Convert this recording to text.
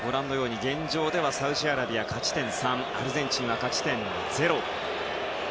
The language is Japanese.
現状ではサウジアラビアが勝ち点３アルゼンチン、勝ち点０。